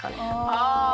ああ。